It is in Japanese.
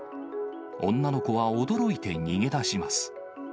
女の子は驚いて逃げ出します。